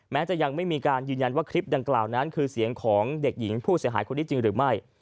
จะยังไม่มีการยืนยันว่าคลิปดังกล่าวนั้นคือเสียงของเด็กหญิงผู้เสียหายคนนี้จริงหรือไม่